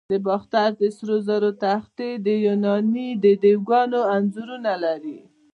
د باختر د سرو زرو تختې د یوناني دیوگانو انځورونه لري